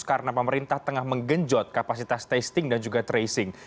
karena pemerintah tengah menggenjot kapasitas testing dan juga tracing